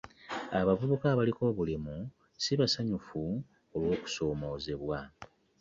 Abavubuka abaliko obulemu sibasanyufu olw'okusomozebwa.